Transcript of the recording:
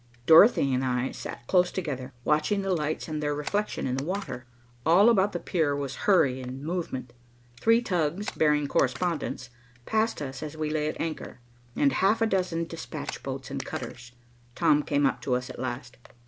Dorothy and I sat close together, watching the lights and their reflection in the water. All about the pier was hurry and movement. Three tugs, bearing correspondents, passed us as we lay at anchor, and half a dozen despatch boats and cutters. Tom came up to us at last.